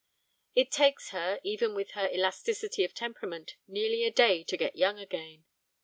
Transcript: It takes her, even with her elasticity of temperament, nearly a day to get young again.